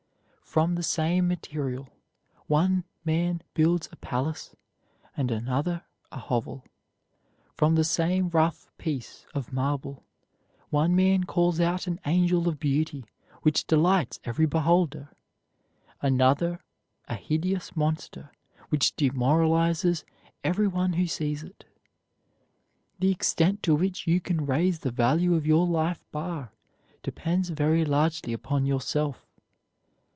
From the same material, one man builds a palace and another a hovel. From the same rough piece of marble, one man calls out an angel of beauty which delights every beholder, another a hideous monster which demoralizes every one who sees it. The extent to which you can raise the value of your life bar depends very largely upon yourself.